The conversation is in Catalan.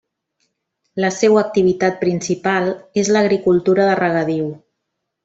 La seua activitat principal és l'agricultura de regadiu.